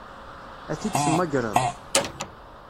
Ad t-id-temmagreḍ?